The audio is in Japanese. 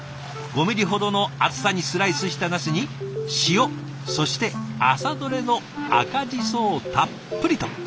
５ミリほどの厚さにスライスしたナスに塩そして朝どれの赤ジソをたっぷりと。